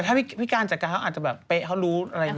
ถ้าพี่การจัดการเขาอาจจะแบบเป๊ะเขารู้อะไรอย่างนี้